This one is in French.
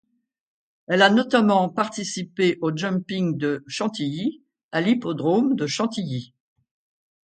Elle a notamment participé au Jumping de Chantilly à l'hippodrome de Chantilly.